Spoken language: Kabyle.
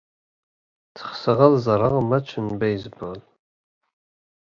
Txsɣ ad ẓṛɣ matchs n baseball